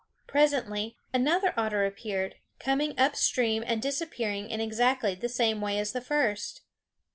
Presently another otter appeared, coming up stream and disappearing in exactly the same way as the first.